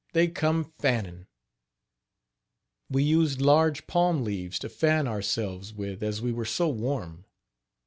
they come fannin." We used large palm leaves to fan ourselves with, as we were so warm.